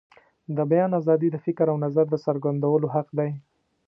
د بیان آزادي د فکر او نظر د څرګندولو حق دی.